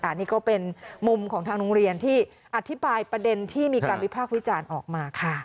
อันนี้ก็เป็นมุมของทางโรงเรียนที่อธิบายประเด็นที่มีการวิพากษ์วิจารณ์ออกมาค่ะ